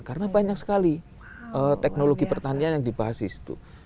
karena banyak sekali teknologi pertanian yang dibahas disitu